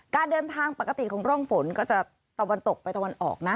การเดินทางปกติของร่องฝนก็จะตะวันตกไปตะวันออกนะ